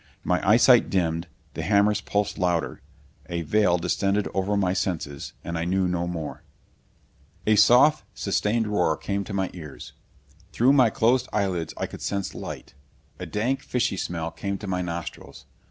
My eyesight dimmed.... The hammers pulsed louder.... A veil descended over my senses and I knew no more.... A soft, sustained roar came to my ears. Through my closed eyelids I could sense light. A dank, fishy smell came to my nostrils.